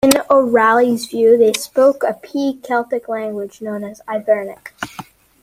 In O'Rahilly's view, they spoke a P-Celtic language known as Ivernic.